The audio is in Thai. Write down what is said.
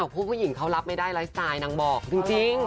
ผู้หญิงเขารับไม่ได้ไลฟ์สไตล์นางบอกจริง